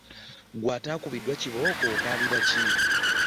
Ggwe atakubiddwa kibooko, okaabira ki?